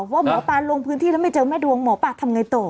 ว่าหมอปลาลงพื้นที่แล้วไม่เจอแม่ดวงหมอปลาทำไงต่อ